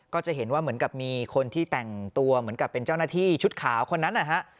ก็จะเห็นว่าเหมือนกับมีคนที่แต่งตัวเหมือนกับเป็นเจ้าหน้าที่ชุดขาวคนนั้นนะฮะ